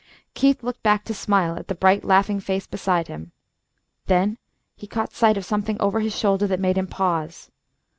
Keith looked back to smile at the bright laughing face beside him. Then he caught sight of something over his shoulder that made him pause.